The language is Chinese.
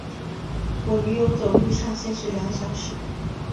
我女友走路上限是两小时